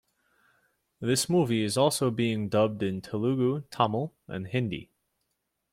This movie is also being dubbed in Telugu, Tamil and Hindi.